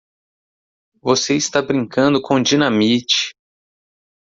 você está brincando com dinamite!